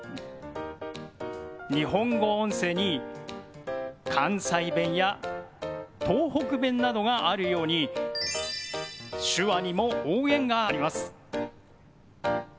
日本語音声に関西弁や東北弁などがあるように手話にも方言があります。